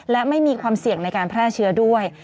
และไม่มีความเสี่ยงในการแพร่เชื้อด้วย